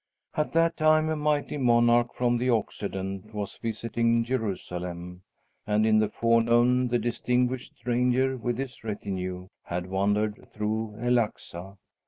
At that time a mighty monarch from the Occident was visiting Jerusalem, and in the forenoon the distinguished stranger with his retinue had wandered through El Aksa.